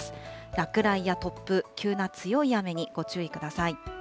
落雷や突風、急な強い雨にご注意ください。